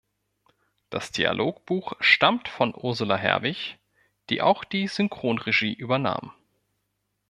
Das Dialogbuch stammt von Ursula Herwig, die auch die Synchronregie übernahm.